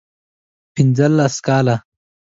پنځه لس کاله